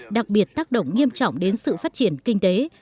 đặc biệt tác động nghiêm trọng đến sự phát triển kinh tế